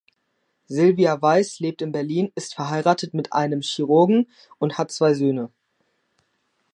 Silvia Weiss lebt in Berlin, ist verheiratet mit einem Chirurgen und hat zwei Söhne.